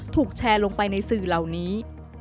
ถูกแชร์ลงไปในสื่อเหล่านี้